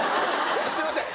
すいません。